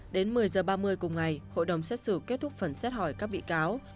đến một mươi h ba mươi cùng ngày hội đồng xét xử kết thúc phần xét hỏi các bị cáo